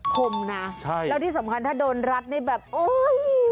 คมนะใช่แล้วที่สำคัญถ้าโดนรัดนี่แบบโอ๊ย